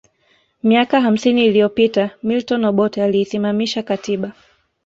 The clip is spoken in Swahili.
Miaka hamsini liyopita Milton Obote aliisimamisha katiba